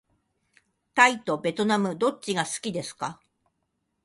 タイとべトナムどっちが好きですか。